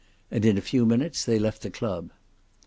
and in a few minutes they left the club.